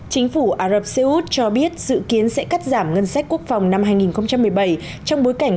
chính phủ ả rập xê út cho biết dự kiến sẽ cắt giảm ngân sách quốc phòng năm hai nghìn một mươi bảy trong bối cảnh